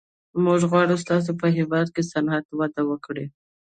موږ غواړو ستاسو په هېواد کې صنعت وده وکړي